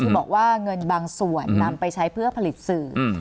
บอกว่าเงินบางส่วนนำไปใช้เพื่อผลิตสื่อ